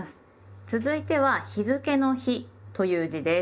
続いては日付の「日」という字です。